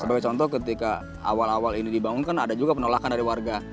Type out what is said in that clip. sebagai contoh ketika awal awal ini dibangun kan ada juga penolakan dari warga